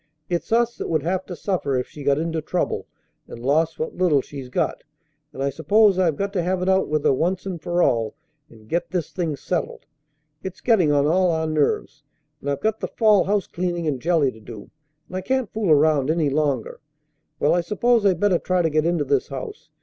It's us that would have to suffer if she got into trouble and lost what little she's got, and I suppose I've got to have it out with her once and for all and get this thing settled. It's getting on all our nerves, and I've got the fall house cleaning and jelly to do, and I can't fool around any longer. Well, I suppose I better try to get into this house.